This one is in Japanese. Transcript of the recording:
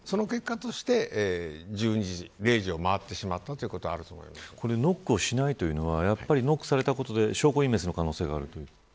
その結果として１２時、０時を回ってしまったノックをしないというのはノックをされたことで証拠隠滅の可能性があるということですか。